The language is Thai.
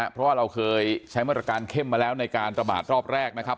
เพราะว่าเราเคยใช้มาตรการเข้มมาแล้วในการระบาดรอบแรกนะครับ